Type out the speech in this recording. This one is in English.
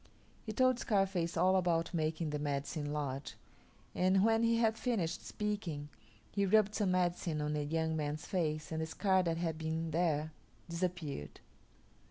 He told Scarface all about making the Medicine Lodge, and when he had finished speaking, he rubbed some medicine on the young man's face and the scar that had been there disappeared.